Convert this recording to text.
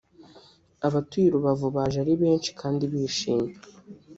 abatuye i Rubavu baje ari benshi kandi bishimye